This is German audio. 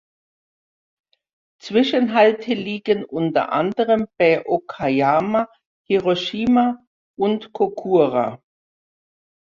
Zwischenhalte liegen unter anderem bei Okayama, Hiroshima und Kokura.